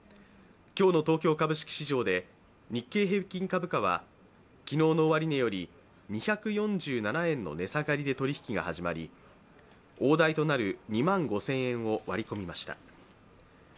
今日の東京株式市場で日経平均株価は昨日の終値より２４７円の値下がりで取引きが始まり、大台となる２万５０００円を割り込みました。